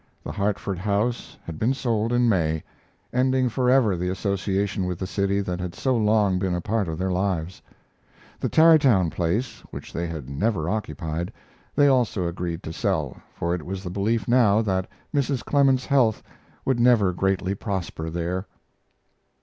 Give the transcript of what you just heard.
The Hartford house had been sold in May, ending forever the association with the city that had so long been a part of their lives. The Tarrytown place, which they had never occupied, they also agreed to sell, for it was the belief now that Mrs. Clemens's health would never greatly prosper there.